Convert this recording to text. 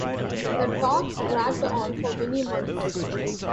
The talks dragged on for many months.